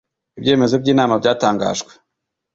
ibyemezo by'inama byatangajwe